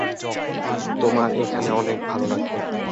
তোমার এখানে অনেক ভালো লাগবে।